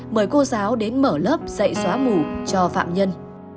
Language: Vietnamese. mời cô giáo đến mở lớp dạy xóa mù cho phạm nhân